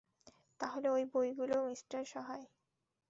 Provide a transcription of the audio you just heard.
তাহলে ওই বইগুলো, মিস্টার সাহায়।